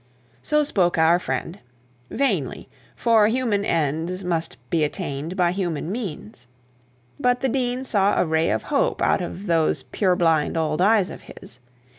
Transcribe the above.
So spoke our friend; vainly; for human ends must be attained by human means. But the dean saw a ray of hope out of those purblind old eyes of his.